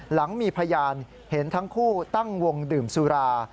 หลังมีพยานเห็นทั้งคู่ตั้งวงดื่มสุรา